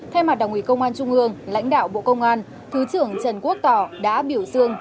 thay mặt đảng ủy công an trung ương lãnh đạo bộ công an thứ trưởng trần quốc tỏ đã biểu dương